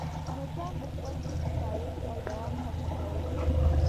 نظام د خپل پایښت او دوام هڅه کوله.